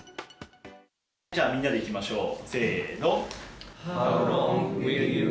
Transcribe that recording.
じゃあ、みんなでいきましょう。